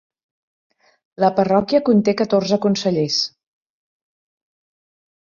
La parròquia conté catorze consellers.